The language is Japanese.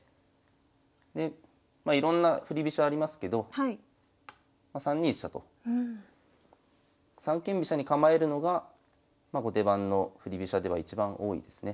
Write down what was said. でまあいろんな振り飛車ありますけど３二飛車と三間飛車に構えるのが後手番の振り飛車では一番多いですね。